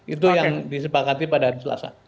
itu yang disepakati pada hari selasa